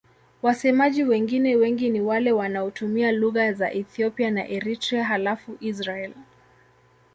Wasemaji wengine wengi ni wale wanaotumia lugha za Ethiopia na Eritrea halafu Israel.